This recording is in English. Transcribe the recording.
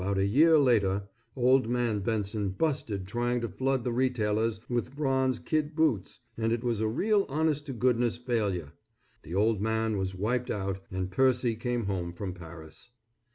About a year later Old Man Benson busted trying to flood the retailers with bronze kid boots, and it was a real honest to goodness failure. The old man was wiped out and Percy came home from Paris.